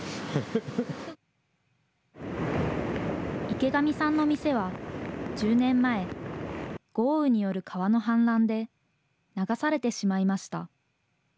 池上さんの店は、１０年前、豪雨による川の氾濫で流されてしまいました。